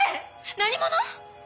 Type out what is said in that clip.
何者！？